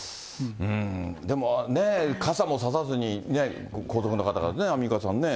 でもね、傘もささずに、皇族の方がね、アンミカさんね。